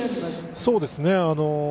そうですね。